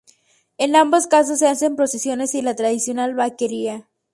En ambos casos se hacen procesiones y la tradicional vaquería